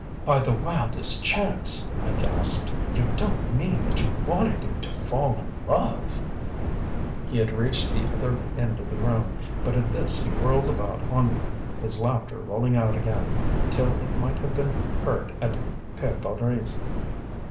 "By the wildest chance," I gasped, "you don't mean that you wanted him to fall in love " He had reached the other end of the room, but at this he whirled about on me, his laughter rolling out again, till it might have been heard at Pere Baudry's.